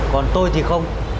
còn tôi thì không